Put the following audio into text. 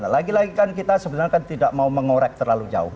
lagi lagi kan kita sebenarnya kan tidak mau mengorek terlalu jauh